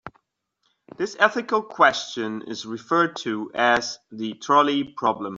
This ethical question is referred to as the trolley problem.